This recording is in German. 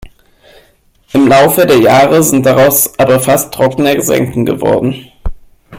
Im Laufe der Jahre sind daraus aber fast trockene Senken geworden.